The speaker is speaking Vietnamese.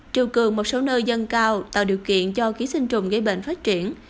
triều cường một số nơi dâng cao tạo điều kiện cho ký sinh trùng gây bệnh phát triển